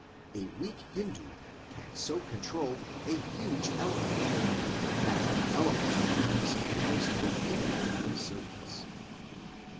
A weak Hindu can so control a huge elephant, that the elephant becomes the most obedient of servants.